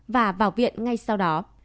và vào viện ngay sau đó